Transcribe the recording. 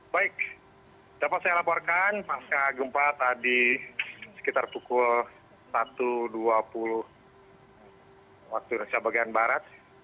baik dapat saya laporkan pasca gempa tadi sekitar pukul satu dua puluh waktu indonesia bagian barat